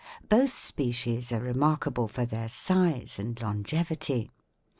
Both species are remarkable for their size and longevity.